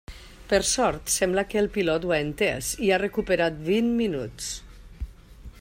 Per sort sembla que el pilot ho ha entès i ha recuperat vint minuts.